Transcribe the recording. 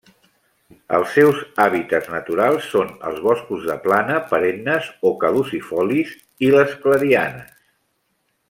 Els seus hàbitats naturals són els boscos de plana, perennes o caducifolis, i les clarianes.